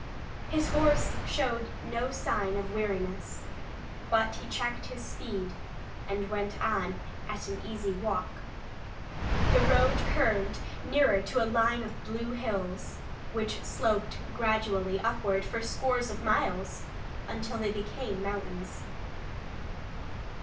His horse showed no signs of weariness, but he checked his speed, and went on at an easy walk. The road curved nearer to a line of blue hills, which sloped gradually upward for scores of miles, until they became mountains.